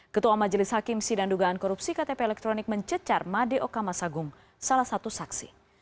ketua majelis hakim sidan dugaan korupsi ktp elektronik mencecar madeo kamasagung salah satu saksi